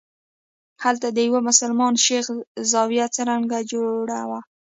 هلته د یوه مسلمان شیخ زاویه څرنګه جوړه وه.